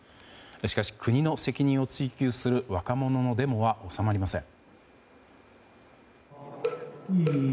しかし国の責任を追及する若者のデモは収まりません。